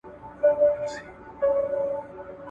له رویبار، له انتظاره، له پیغامه ګیه من یم `